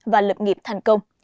và lập nghiệp thành công